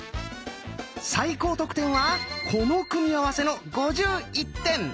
最高得点はこの組み合わせの５１点。